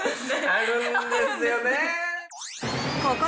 あるんですよね。